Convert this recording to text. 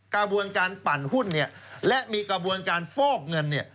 กระบวนการปั่นหุ้นและมีกระบวนการฟอกเงิน